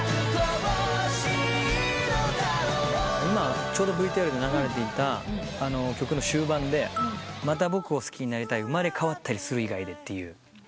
今ちょうどＶＴＲに流れていた曲の終盤で「また僕を好きになりたい生まれ変わったりする以外で」